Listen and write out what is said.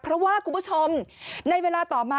เพราะว่าคุณผู้ชมในเวลาต่อมา